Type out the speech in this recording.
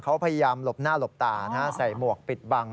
เขาพยายามหลบหน้าหลบตาใส่หมวกปิดบัง